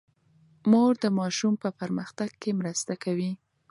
مور د ماشومانو په پرمختګ کې مرسته کوي.